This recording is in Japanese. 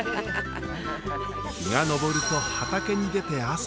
日が昇ると畑に出て汗を流す。